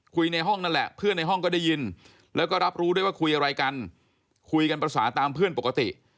ในห้องนั่นแหละเพื่อนในห้องก็ได้ยินแล้วก็รับรู้ได้ว่าคุยอะไรกันคุยกันภาษาตามเพื่อนปกติ